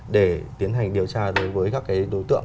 để tiến hành điều tra đối với các đối tượng